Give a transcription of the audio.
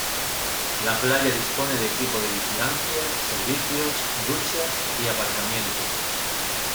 La playa dispone de equipo de vigilancia, servicios, duchas y aparcamiento.